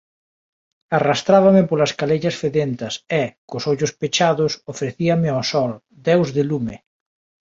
Arrastrábame polas calellas fedentas e, cos ollos pechados, ofrecíame ó sol, deus de lume.